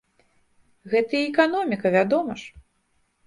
Гэта і эканоміка, вядома ж!